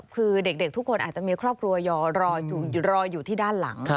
คือเด็กทุกคนอาจจะมีครอบครัวรออยู่ที่ด้านหลัง